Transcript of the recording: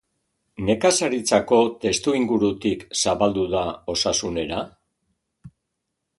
Nekazaritzako testuingurutik zabaldu da osasunera?